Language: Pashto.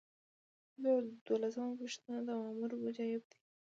یو سل او دولسمه پوښتنه د مامور وجایب دي.